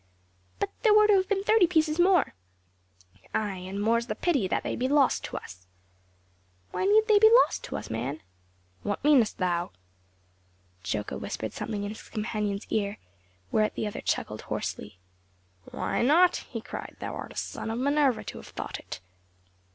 "But there were to have been thirty pieces more." "Ay! and more's the pity that they be lost to us." "Why need they be lost to us, man?" "What meanest thou?" Joca whispered something in his companion's ear, whereat the other chuckled hoarsely. "Why not?" he cried, "thou art a son of Minerva to have thought it."